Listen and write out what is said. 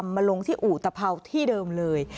มาลงที่อุตภัวที่เดิมเลย